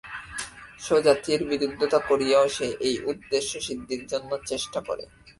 স্বজাতীয়ের বিরুদ্ধতা করিয়াও সে এই উদ্দেশ্যসিদ্ধির জন্য চেষ্টা করে।